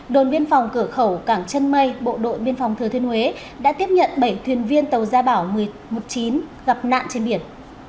đồn biên phòng cửa khẩu cảng chân mây bộ đội biên phòng thừa thiên huế đã tiếp nhận bảy thuyền viên tàu gia bảo một mươi chín gặp nạn trên biển